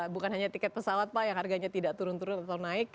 bukan hanya tiket pesawat pak yang harganya tidak turun turun atau naik